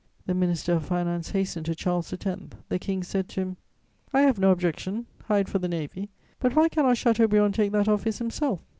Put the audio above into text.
The Minister of Finance hastened to Charles X.; the King said to him: "I have no objection: Hyde for the Navy; but why cannot Chateaubriand take that office himself?